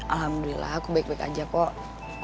alhamdulillah aku baik baik aja kok